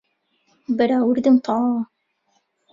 بەراوردم تەواوە